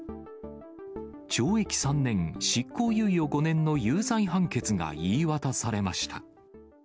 懲役３年、執行猶予５年の有罪判決が言い渡されました。